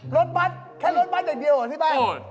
รถบัตรแค่รถบัตรเดียวหรอที่แป๊ง